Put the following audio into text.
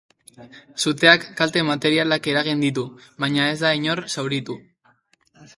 Suteak kalte materialak eragin ditu, baina ez da inor zauritu.